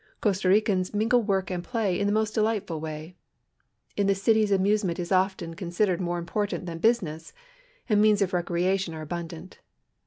Costa Ricans mingle work and play in the most de lightful way ; in the cities amusement is often considered more 10 146 COSTA RICA important than business, and means of recreation are abundant.